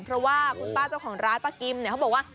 เพราะว่าคุณป้าเจ้าของร้านป้ากิมเนี่ยเขาบอกว่า